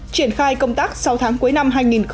triển khai công tác sáu tháng cuối năm hai nghìn một mươi chín